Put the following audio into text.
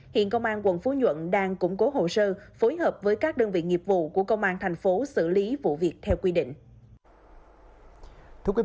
hiện công an quận phú nhuận đang củng cố hồ sơ phối hợp với các đơn vị nghiệp vụ của công an thành phố xử lý vụ việc theo quy định